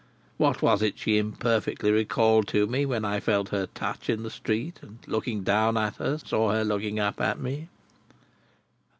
What was it she imperfectly recalled to me when I felt her touch in the street, and, looking down at her, saw her looking up at me?"